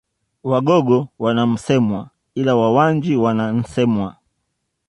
Wagogo wana Msemwa ila Wawanji wana Nsemwa